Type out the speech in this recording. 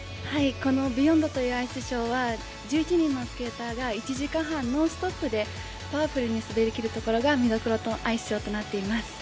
この「ＢＥＹＯＮＤ」というアイスショーは１１人のスケーターが１時間半、ノンストップでパワフルに滑るところが見どころのアイスショーとなっています。